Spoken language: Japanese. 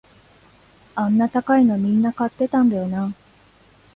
あんな高いのみんな買ってたんだよな